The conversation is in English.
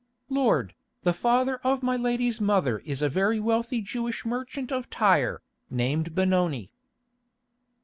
"Lord, the father of my lady's mother is a very wealthy Jewish merchant of Tyre, named Benoni."